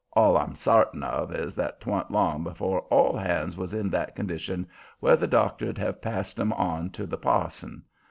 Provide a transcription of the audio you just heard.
All I'm sartain of is that 'twan't long afore all hands was in that condition where the doctor'd have passed 'em on to the parson.